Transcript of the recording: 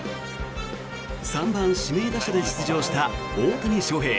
３番指名打者で出場した大谷翔平。